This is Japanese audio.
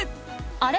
あれ？